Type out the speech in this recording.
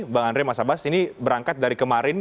bang andre mas abbas ini berangkat dari kemarin